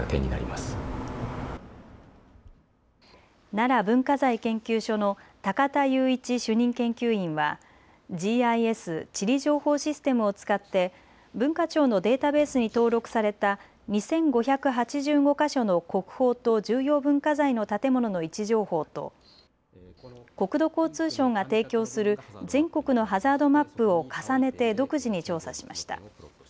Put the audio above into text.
奈良文化財研究所の高田祐一主任研究員はＧＩＳ・地理情報システムを使って文化庁のデータベースに登録された２５８５か所の国宝と重要文化財の建物の位置情報と国土交通省が提供する全国のハザードマップを重ねて独自に調査しました。